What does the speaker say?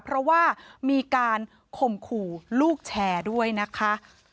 เพราะว่ามีการข่มขู่ลูกแชร์ด้วยนะคะ